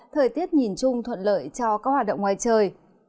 thời tiết nhìn chung thuận lợi cho các hoạt động ngoài trời